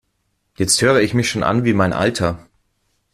Jetzt höre ich mich schon an wie mein Alter!